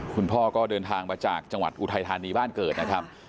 คุณพ่อก็เดินทางมาจากจังหวัดอุทัยธานีบ้านเกิดนะครับ